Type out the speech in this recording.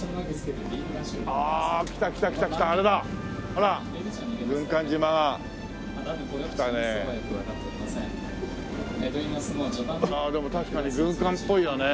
ああでも確かに軍艦っぽいよね。